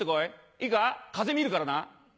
いいか風見るからな。